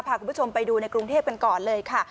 พาคุณผู้ชมไปดูในกรุงเทพกันก่อนเลยค่ะ